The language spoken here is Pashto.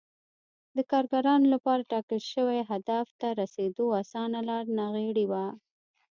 د کارګرانو لپاره ټاکل شوي هدف ته رسېدو اسانه لار ناغېړي وه